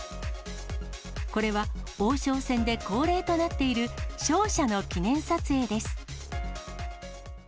これは王将戦で恒例となっている、勝者の記念撮影です。